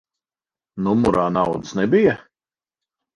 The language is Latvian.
Numurā naudas nebija?